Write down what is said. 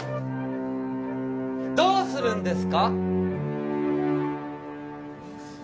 どうするんですか？